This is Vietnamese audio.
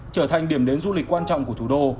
trở thành điểm đến du lịch quan trọng của thủ đô